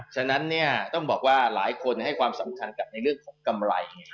ฉะนั้นต้องบอกว่าหลายคนให้ความสำคัญกับในเรื่องของกำไร